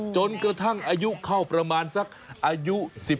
จนกระทั่งอายุเข้าประมาณสักอายุ๑๕